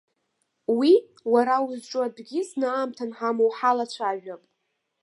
Уи, уара узҿу атәгьы зны аамҭа анҳамоу ҳалацәажәап.